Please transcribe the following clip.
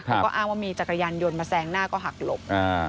เขาก็อ้างว่ามีจักรยานยนต์มาแซงหน้าก็หักหลบ